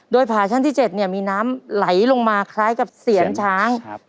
โดยผ่าชั้นที่๗เนี่ยมีน้ำไหลลงมาคล้ายกับเสียนช้าง